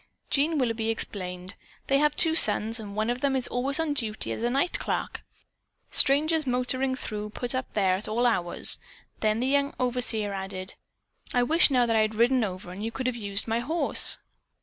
Jean Willoughby explained: "They have two sons, and one of them is always on duty as night clerk. Strangers motoring through put up there at all hours." Then the young overseer added: "I wish now that I had ridden over and you could have used my horse."